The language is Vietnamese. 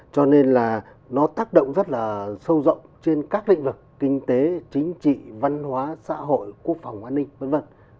cho nên là nó tác động rất là sâu rộng trên các lĩnh vực kinh tế chính trị văn hóa xã hội quốc phòng an ninh v v